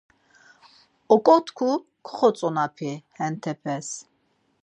Oǩotku koxotzonapi entepes.